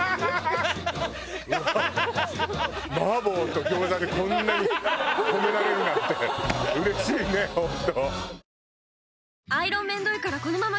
麻婆と餃子でこんなに褒められるなんてうれしいね本当。